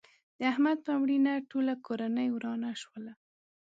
د احمد په مړینه ټوله کورنۍ ورانه شوله.